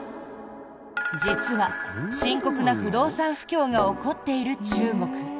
実は、深刻な不動産不況が起こっている中国。